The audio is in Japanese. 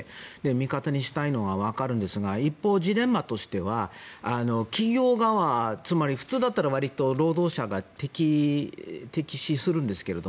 味方にしたいのはわかるんですが一方、ジレンマとしては企業側、つまり普通だったらわりと労働者が敵視するんですけど